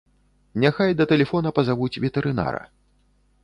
Няхай да тэлефона пазавуць ветэрынара.